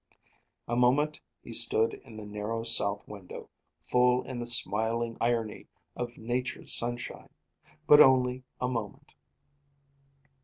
A moment he stood in the narrow south window, full in the smiling irony of Nature's sunshine; but only a moment.